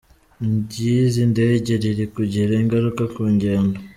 ry’izi ndege riri kugira ingaruka ku ngendo.